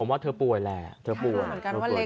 ผมว่าเธอป่วยแหละเธอป่วย